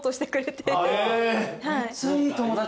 めっちゃいい友達。